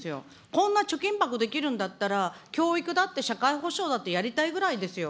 こんな貯金箱できるんだったら、教育だって社会保障だってやりたいぐらいですよ。